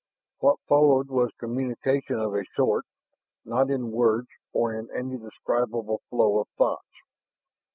What followed was communication of a sort, not in words or in any describable flow of thoughts.